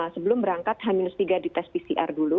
sebelum berangkat h tiga di tes pcr dulu